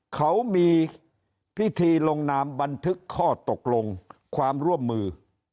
เขามีพิธีลงนามบันทึกข้อตกลงความร่วมมือ